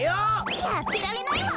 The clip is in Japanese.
やってられないわ！